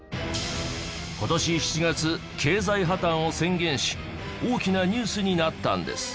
今年７月経済破綻を宣言し大きなニュースになったんです。